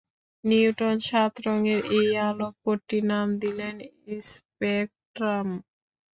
Newton সাত রঙের এই আলোক পট্টির নাম দিলেন স্পেকট্রাম।